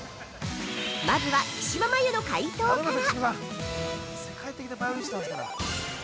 まずは木嶋真優の解答から！